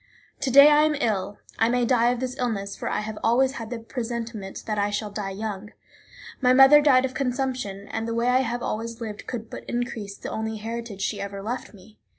To day I am ill; I may die of this illness, for I have always had the presentiment that I shall die young. My mother died of consumption, and the way I have always lived could but increase the only heritage she ever left me.